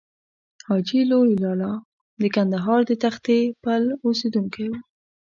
حاجي لوی لالا د کندهار د تختې پل اوسېدونکی و.